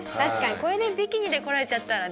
これでビキニで来られちゃったらね。